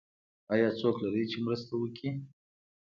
ایا څوک لرئ چې مرسته وکړي؟